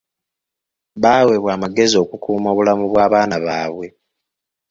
Baaweebwa amagezi okukuuma obulamu bw'abaana baabwe.